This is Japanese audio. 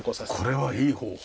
これはいい方法。